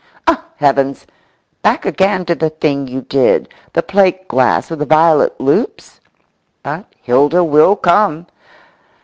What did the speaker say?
Oh, heavens! Back again to the thing you did, the plate glass with the violet loops? But Hilda will come.